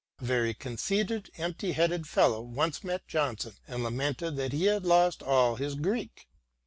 A very conceited, empty headed fellow once met Johnson and lamented that he had lost all his Greek.